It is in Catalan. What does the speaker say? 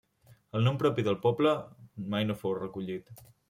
El nom propi del poble mai no fou recollit.